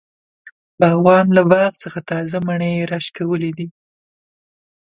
باغوان له باغ څخه تازه مڼی راشکولی دی.